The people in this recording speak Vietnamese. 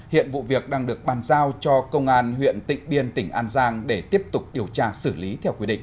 hiện vụ việc đang được bàn giao cho công an huyện tịnh biên tỉnh an giang để tiếp tục điều tra xử lý theo quy định